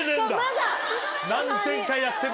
何千回やっても。